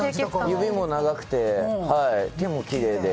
指も長くて、手もきれいで。